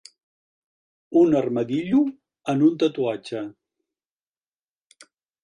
Un armadillo en un tatuatge.